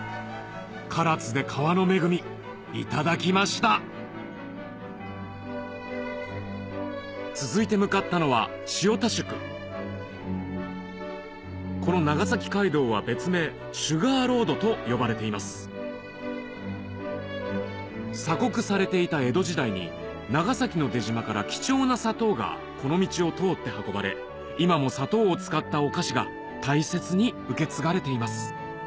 唐津で川の恵みいただきました続いて向かったのはこの長崎街道は別名と呼ばれています鎖国されていた江戸時代に長崎の出島から貴重な砂糖がこの道を通って運ばれ今も砂糖を使ったお菓子が大切に受け継がれています